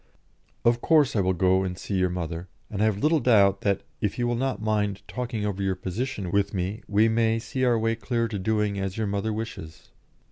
"Of course I will go and see your mother, and I have little doubt that, if you will not mind talking over your position with me, we may see our way clear to doing as your mother wishes."